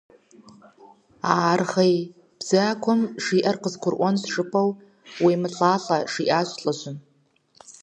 – А аргъуей бзагуэм жиӀэр къызгурыӀуэнщ жыпӀэу уемылӀалӀэ, – жиӀащ лӀыжьым.